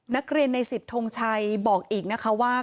นักเรียนใน๑๐ทงชัยบอกอีกนะคะว่า